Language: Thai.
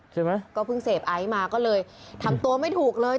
ใช่ไหมก็เพิ่งเสพไอซ์มาก็เลยทำตัวไม่ถูกเลย